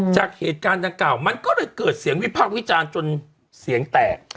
จากเหตุการณ์ดังกล่าวมันก็เลยเกิดเสียงวิพากษ์วิจารณ์จนเสียงแตก